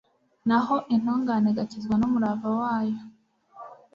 naho intungane igakizwa n'umurava wayo